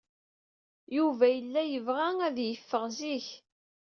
Yuba yella yebɣa ad yeffeɣ zik.